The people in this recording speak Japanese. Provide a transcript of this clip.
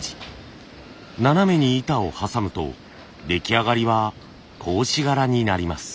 斜めに板を挟むと出来上がりは格子柄になります。